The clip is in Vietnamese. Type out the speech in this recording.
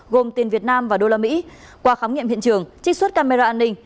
gồm tiền việt nam và đô la mỹ qua khám nghiệm hiện trường trích xuất camera an ninh